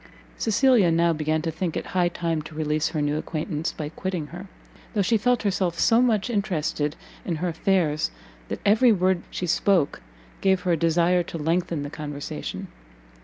Cecilia now began to think it high time to release her new acquaintance by quitting her, though she felt herself so much interested in her affairs, that every word she spoke gave her a desire to lengthen the conversation.